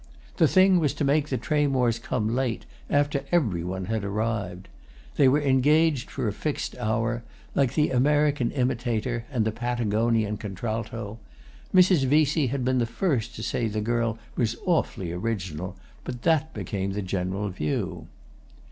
The thing was to make the Tramores come late, after every one had arrived. They were engaged for a fixed hour, like the American imitator and the Patagonian contralto. Mrs. Vesey had been the first to say the girl was awfully original, but that became the general view.